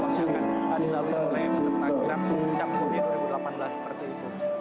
akan dilalui oleh peserta kirap cap gome dua ribu delapan belas seperti itu